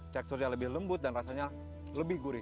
teksturnya lebih lembut dan rasanya lebih gurih